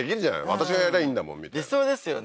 私がやりゃいいんだもんみたいな理想ですよね